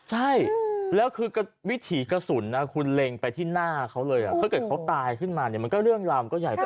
ใช่แล้วคือวิถีกระสุนคุณเล็งไปที่หน้าเขาเลยถ้าเกิดเขาตายขึ้นมาเนี่ยมันก็เรื่องราวมันก็ใหญ่กว่า